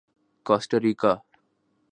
کوسٹا ریکا